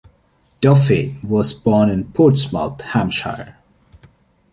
Duffett was born in Portsmouth, Hampshire.